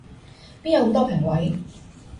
邊有咁多評委